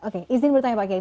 oke izin bertanya pak kiai